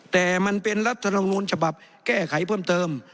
แต่มันเป็นรัฐธรรมนูญฉบับแก้ไขเพิ่มเติม